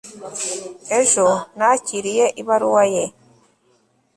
ejo nakiriye ibaruwa ye